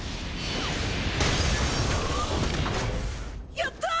やった！